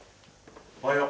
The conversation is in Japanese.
おはよう。